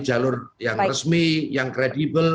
jalur yang resmi yang kredibel